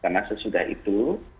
karena sesudah itu